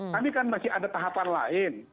tapi kan masih ada tahapan lain